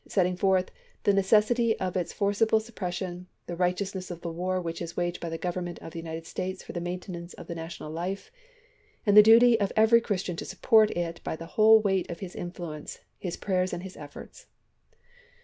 setting forth "the necessity of its forcible sup pression, the righteousness of the war which is waged by the Government of the United States for the maintenance of the national life, and the duty of every Christian to support it by the whole weight of his influence, his prayers, and his efforts."